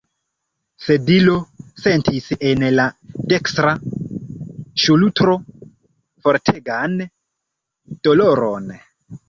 Sedilo sentis en la dekstra ŝultro fortegan doloron.